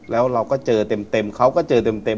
แล้วเราก็เจอเต็มเขาก็เจอเต็ม